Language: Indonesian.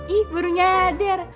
ih baru nyadar